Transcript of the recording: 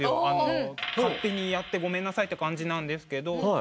勝手にやってごめんなさいって感じなんですけど。